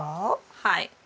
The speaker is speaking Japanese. はい。